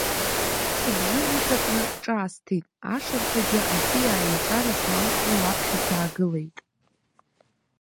Сыбжьы ныҵакны ҿаасҭит, ашырҳәагьы аҵиаа иаҵәара саалҵны лаԥхьа саагылеит.